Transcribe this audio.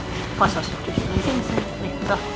nih toh sini